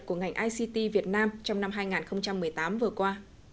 của ngành ict việt nam trong năm hai nghìn một mươi tám vừa qua